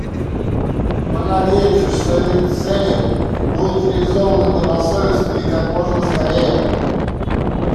Мы надеемся, что эти цели будут реализованы добросовестно и как можно скорее.